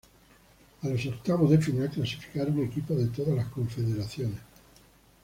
A los octavos de final clasificaron equipos de todas las confederaciones.